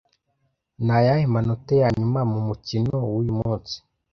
Ni ayahe manota ya nyuma mu mukino wuyu munsi?